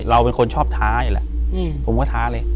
เราเป็นคนชอบท้าอยู่แหละผมก็ท้าเลย